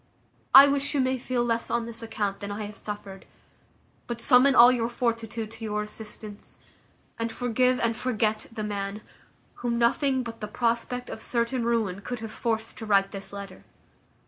I wish you may feel less on this account than I have suffered; but summon all your fortitude to your assistance, and forgive and forget the man, whom nothing but the prospect of certain ruin could have forced to write this letter.